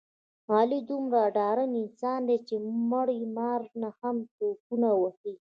علي دومره ډارن انسان دی، چې مړه مار نه هم ټوپونه وهي.